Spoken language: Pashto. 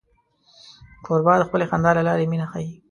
کوربه د خپلې خندا له لارې مینه ښيي.